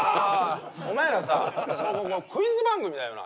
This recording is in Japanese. お前らさクイズ番組だよな？